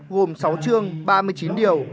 gồm sáu chương ba mươi chín điều